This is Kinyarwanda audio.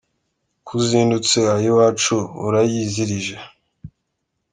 Ko uzindutse ay’iwacu urayizirije